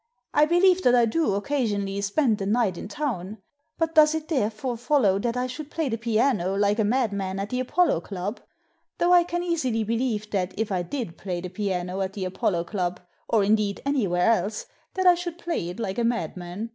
I believe that I do, occasionally, spend a night in town. But does it therefore follow that I should play the piano, like a madman, at the Apollo Club? Though I can easily believe that if I did play the piano at the Apollo Club, or, indeed, anywhere else, that I should play it like a madman.